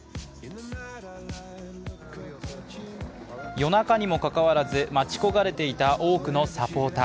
夜中にもかかわらず、待ち焦がれていた多くのサポーター。